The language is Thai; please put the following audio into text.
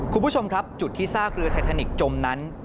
คุณผู้ชมครับจุดที่ซากเรือไททานิกจมนั้น